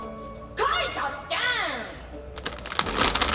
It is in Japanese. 書いたって！